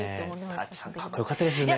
舘さんかっこよかったですよね。